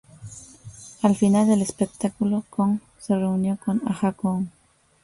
Al final del espectáculo, Kong se reunió con Aja Kong.